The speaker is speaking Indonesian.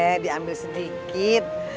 eh diambil sedikit